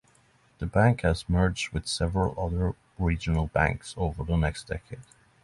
The bank has merged with several other regional banks over the next decade.